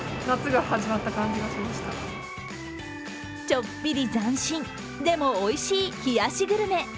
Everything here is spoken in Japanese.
ちょっぴり斬新、でもおいしい冷やしグルメ。